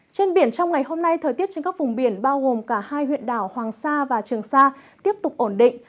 trên biển trong ngày hôm nay thời tiết trên các vùng biển bao gồm cả hai huyện đảo hoàng sa và trường sa tiếp tục ổn định